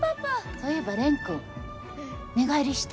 そういえば蓮君、寝返りした？